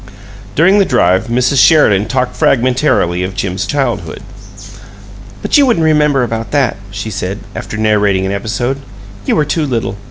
During the drive Mrs. Sheridan talked fragmentarily of Jim's childhood. "But you wouldn't remember about that," she said, after narrating an episode. "You were too little.